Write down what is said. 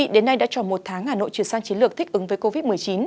đến nay đã tròn một tháng hà nội chuyển sang chiến lược thích ứng với covid một mươi chín